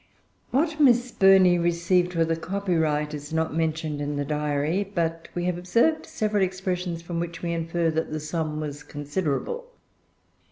What Miss Burney received for the copyright is not mentioned in the Diary; but we have observed several expressions from which we infer that the sum was considerable.